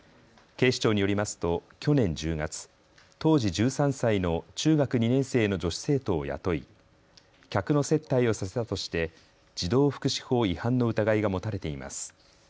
警視庁によりますと去年１０月、当時１３歳の中学２年生の女子生徒を雇い客の接待をさせたとして児童福祉法違反の疑いが持たれています。